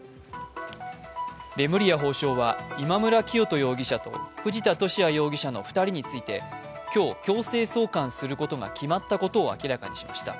レムリヤ法相は、今村磨人容疑者と藤田聖也容疑者の２人について今日、強制送還することが決まったことを明らかにしました。